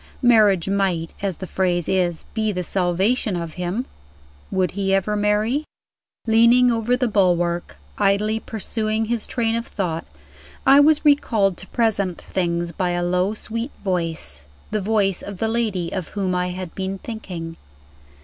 Marriage might, as the phrase is, be the salvation of him. Would he ever marry? Leaning over the bulwark, idly pursuing this train of thought, I was recalled to present things by a low sweet voice the voice of the lady of whom I had been thinking.